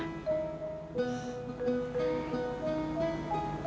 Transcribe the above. bisa rajin di sekolah